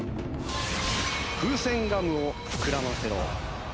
風船ガムを膨らませろ。